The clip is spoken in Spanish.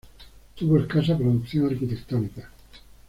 Tuvo escasa producción arquitectónica.